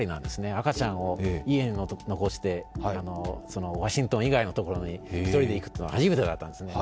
赤ちゃんを家に残してワシントン以外のところに１人で行くというのは初めてだったんですね。